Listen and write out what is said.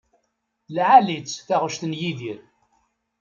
Lɛali-tt taɣect n Yidir.